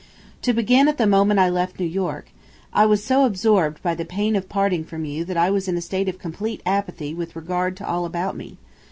To begin at the moment I left New York: I was so absorbed by the pain of parting from you that I was in a state of complete apathy with regard to all about me.